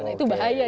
nah itu bahaya itu